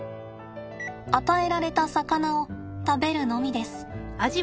与えられた魚を食べるのみです。